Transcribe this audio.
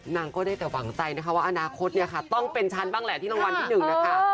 นางก็ได้แต่หวังใจนะคะว่าอนาคตเนี่ยค่ะต้องเป็นฉันบ้างแหละที่รางวัลที่๑นะคะ